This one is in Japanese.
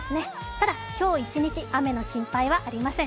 ただ今日一日、雨の心配はありません。